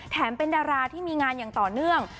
เป็นดาราที่มีงานอย่างต่อเนื่อง